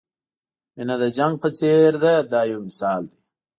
مینه د جنګ په څېر ده دا یو مثال دی.